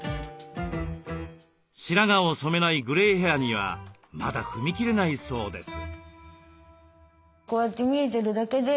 白髪を染めないグレイヘアにはまだ踏み切れないそうです。